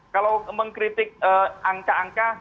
kalau mengkritik angka angka